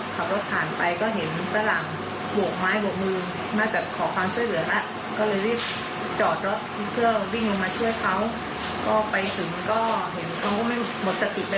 เข้ามานี่ก็คือช่วยหาอะไรก็ได้มา